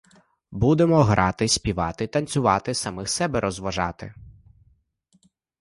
Будемо грати, співати, танцювати, самих себе розважати.